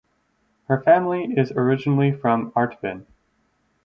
Her family is originally from Artvin.